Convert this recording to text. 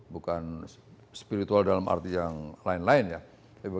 bukan spiritual dalam arti yang lain lain ya